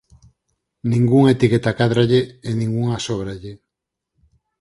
Ningunha etiqueta cádralle e ningunha sóbralle.